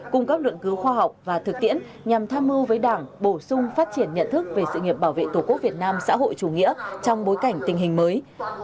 cung cấp luận cứu khoa học và thực tiễn nhằm tham mưu với đảng bổ sung phát triển nhận thức về sự nghiệp bảo vệ tổ quốc việt nam xã hội chủ nghĩa trong bối cảnh tình hình mới